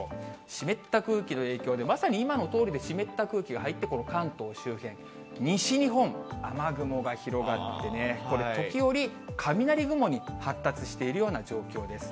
湿った空気の影響で、まさに今のとおりで、湿った空気が入って、この関東周辺、西日本、雨雲が広がってね、これ、時折、雷雲に発達しているような状況です。